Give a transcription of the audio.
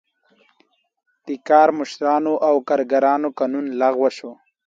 د کارمشرانو او کارګرانو قانون لغوه شو.